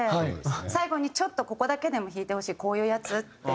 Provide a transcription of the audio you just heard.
最後に「ちょっとここだけでも弾いてほしいこういうやつ」って。